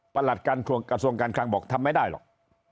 ประหลักการส่วนการคลังบอกทำไม่ได้หรอก